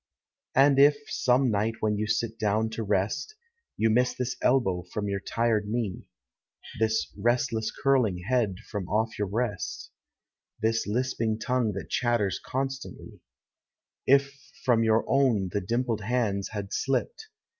And if, some night when you sit down to rest, You miss this elbow from your tired knee, — This restless curling head from off your breast, — This lisping tongue that chatters constantly; Jf from your own the dimpled hands had slipped.